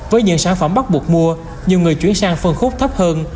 với những sản phẩm bắt buộc mua nhiều người chuyển sang phân khúc thấp hơn